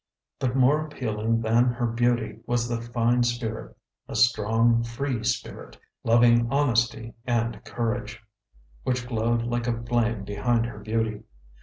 But more appealing than her beauty was the fine spirit a strong, free spirit, loving honesty and courage which glowed like a flame behind her beauty.